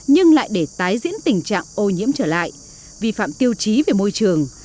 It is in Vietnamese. nhưng lại để tái diễn tình trạng ô nhiễm trở lại vi phạm tiêu chí về môi trường